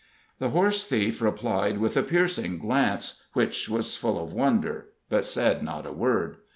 The horse thief replied with a piercing glance, which was full of wonder, but said not a word.